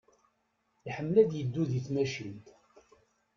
Iḥemmel ad iddu di tmacint.